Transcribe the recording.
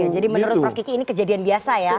oke jadi menurut prof kiki ini kejadian biasa ya